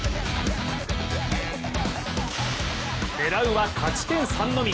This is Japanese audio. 狙うは勝ち点３のみ。